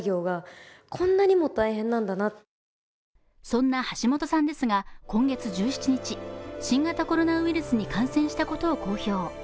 そんな橋本さんですが今月１７日、新型コロナウイルスに感染したことを公表。